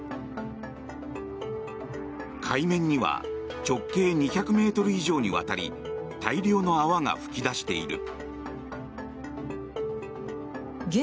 海面には直径２００ｍ以上にわたり大量の泡が噴き出している。